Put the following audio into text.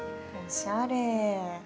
おしゃれ！